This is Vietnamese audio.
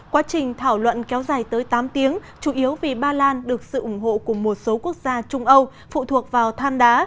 quá trình thảo luận kéo dài tới tám tiếng chủ yếu vì ba lan được sự ủng hộ của một số quốc gia trung âu phụ thuộc vào than đá